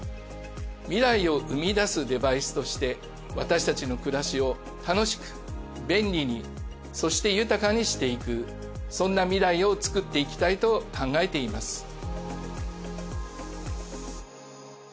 未来を生み出すデバイスとして私たちの暮らしを楽しく便利にそして豊かにしていくそんな未来を作っていきたいと考えています。